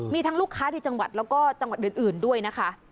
มีทั้งลูกค้าในจังหวัดแล้วก็จังหวัดอื่นด้วยนะคะ